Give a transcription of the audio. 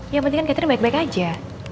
ya penting catherine baik baik aja